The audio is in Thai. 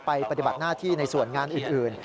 ปฏิบัติหน้าที่ในส่วนงานอื่น